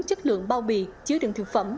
chất lượng bao bì chứa đường thực phẩm